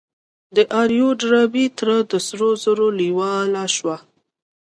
د آر يو ډاربي تره د سرو زرو لېواله شو.